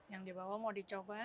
yang di bawah mau dicoba